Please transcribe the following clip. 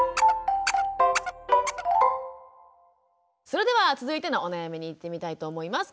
それでは続いてのお悩みにいってみたいと思います。